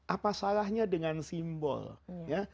apa salahnya dengan simbol ya